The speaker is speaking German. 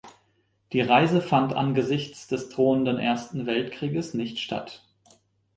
Die Reise fand angesichts des drohenden Ersten Weltkrieges nicht statt.